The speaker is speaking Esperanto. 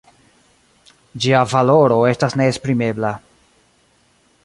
Ĝia valoro estas neesprimebla.